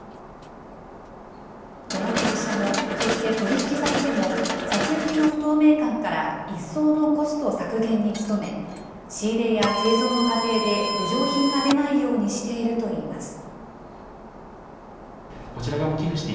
この会社も、そして取り引き先でも、先行きの不透明感から一層のコスト削減に努め、仕入れや製造の過程で余剰品が出ないようにしているといいます。